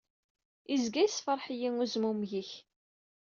Izga yessefreḥ-iyi uzmumeg-ik.